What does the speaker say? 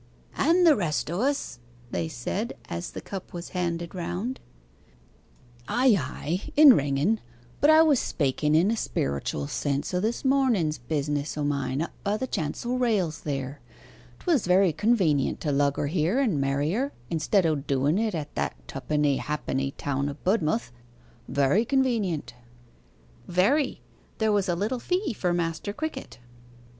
'And the rest o' us,' they said, as the cup was handed round. 'Ay, ay in ringen but I was spaken in a spiritual sense o' this mornen's business o' mine up by the chancel rails there. 'Twas very convenient to lug her here and marry her instead o' doen it at that twopenny halfpenny town o' Budm'th. Very convenient.' 'Very. There was a little fee for Master Crickett.